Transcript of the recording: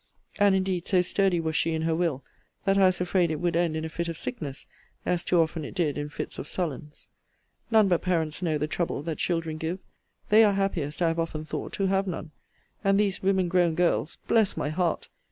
And, indeed, so sturdy was she in her will, that I was afraid it would end in a fit of sickness, as too often it did in fits of sullens. None but parents know the trouble that children give. They are happiest, I have often thought, who have none. And these women grown girls, bless my heart!